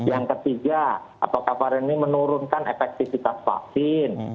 yang ketiga apakah varian ini menurunkan efektivitas vaksin